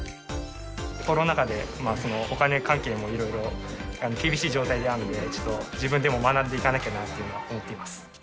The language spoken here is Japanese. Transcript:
コロナ禍で、お金関係もいろいろ厳しい状態であるので、ちょっと自分でも学んでいかなきゃなと思ってます。